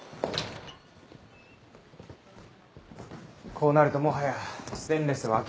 こうなるともはやステンレスは諦めるしか。